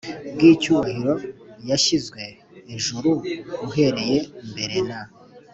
bw icyubahiro yashyizwe ejuru uhereye mbere na